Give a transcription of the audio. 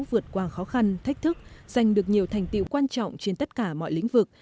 vượt qua khó khăn thách thức giành được nhiều thành tiệu quan trọng trên tất cả mọi lĩnh vực